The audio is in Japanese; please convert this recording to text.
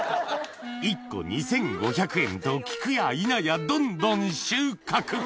１個２５００円と聞くや否やどんどん収穫！